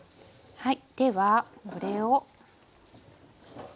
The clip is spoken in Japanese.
はい。